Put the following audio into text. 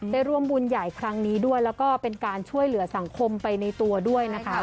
ได้ร่วมบุญใหญ่ครั้งนี้ด้วยแล้วก็เป็นการช่วยเหลือสังคมไปในตัวด้วยนะคะ